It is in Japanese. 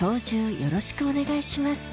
よろしくお願いします